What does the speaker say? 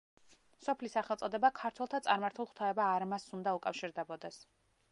სოფლის სახელწოდება ქართველთა წარმართულ ღვთაება არმაზს უნდა უკავშირდებოდეს.